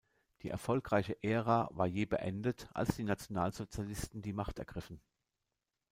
Die erfolgreiche Ära war jäh beendet, als die Nationalsozialisten die Macht ergriffen.